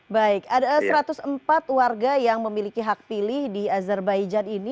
baik ada satu ratus empat warga yang memiliki hak pilih di azerbaijan ini